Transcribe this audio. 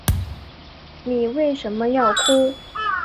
妳为什么要哭